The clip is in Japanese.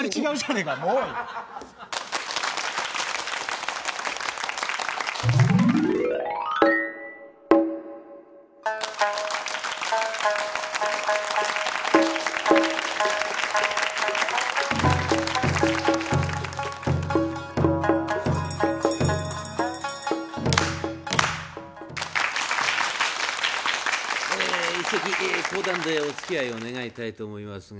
え一席講談でおつきあいを願いたいと思いますが。